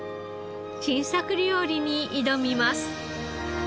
新作料理に挑みます。